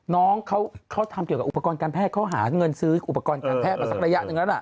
น้องเขาทำเกี่ยวกับอุปกรณ์การแพทย์เขาหาเงินซื้ออุปกรณ์การแพทย์